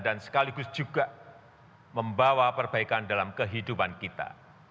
dan sekaligus juga membawa perbaikan dalam kehidupan kita